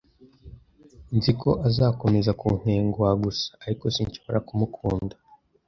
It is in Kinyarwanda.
Nzi ko azakomeza kuntenguha gusa, ariko sinshobora kumukunda.